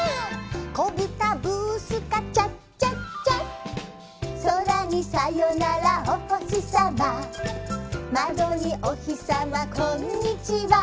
「こぶたブースカチャチャチャ」「そらにさよならおほしさま」「まどにおひさまこんにちは」